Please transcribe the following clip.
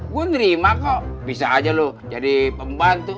gue nerima kok bisa aja loh jadi pembantu